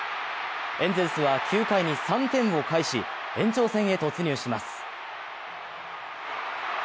エンゼルスは９回に３点を返し延長戦へ突入します。